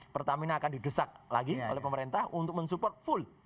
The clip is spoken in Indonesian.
pertamina akan didesak lagi oleh pemerintah untuk mensupport full